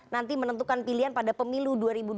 nanti menentukan pilihan pada pemilu dua ribu dua puluh